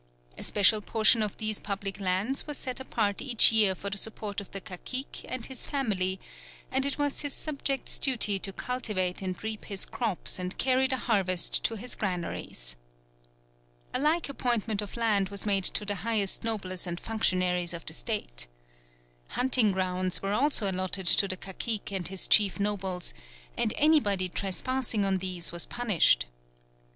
A special portion of these public lands was set apart each year for the support of the cacique and his family, and it was his subjects' duty to cultivate and reap his crops and carry the harvest to his granaries. A like apportionment of land was made to the highest nobles and functionaries of the State. Hunting grounds were also allotted to the cacique and his chief nobles, and anybody trespassing on these was punished.